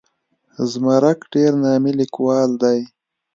زمرک ډېر نامي لیکوال دی.